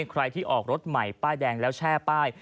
ใครที่ออกรถใหม่ป้ายแดงแล้วแช่ป้าย